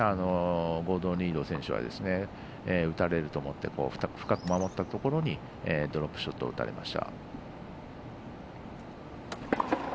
ゴードン・リード選手は打たれると思って深く守ったところにドロップショットを打たれました。